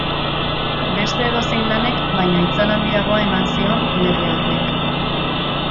Beste edozein lanek baino itzal handiagoa eman zion lege horrek.